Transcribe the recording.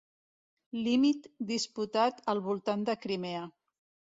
Límit disputat al voltant de Crimea.